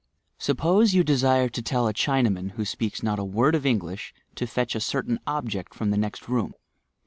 Suppose you de sire to tell a Chinaman, who speaks not a word of Eng lish, to fetch a certain object from the nest room.